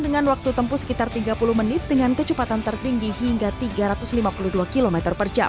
dengan waktu tempuh sekitar tiga puluh menit dengan kecepatan tertinggi hingga tiga ratus lima puluh dua km per jam